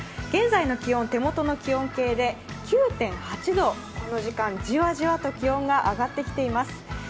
現在の気温、手元の気温計で９．８度、この時間じわじわと気温が上がってきています。